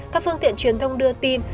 các phương tiện truyền thông đưa tin